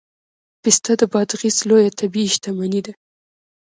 پسته د بادغیس لویه طبیعي شتمني ده